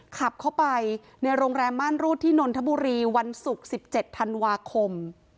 ขับเข้าไปในโรงแรมม่านรูดที่นนทบุรีวันศุกร์๑๗ธันวาคม